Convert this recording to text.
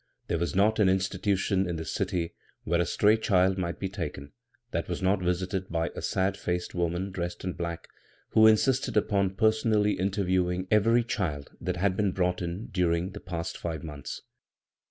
There was not an institution in the city, where a stray child might be taken, that was not visited by a sad faced woman dressed in black who in sisted upon personally interviewing every '"' that had been brought in during the five months.